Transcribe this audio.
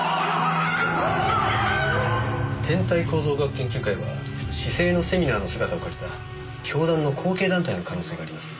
天体構造学研究会は市井のセミナーの姿を借りた教団の後継団体の可能性があります。